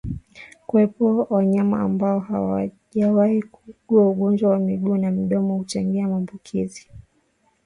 Kuwepo wanyama ambao hawajawahi kuugua ugonjwa wa miguu na midomo huchangia maambukizi